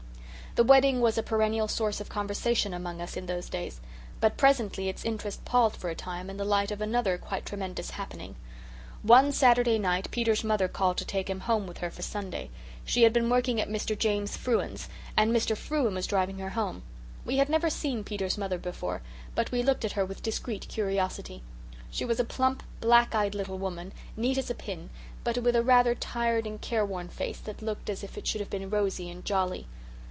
The wedding was a perennial source of conversation among us in those days; but presently its interest palled for a time in the light of another quite tremendous happening. One Saturday night Peter's mother called to take him home with her for Sunday. She had been working at Mr. James Frewen's, and Mr. Frewen was driving her home. We had never seen Peter's mother before, and we looked at her with discreet curiosity. She was a plump, black eyed little woman, neat as a pin, but with a rather tired and care worn face that looked as if it should have been rosy and jolly.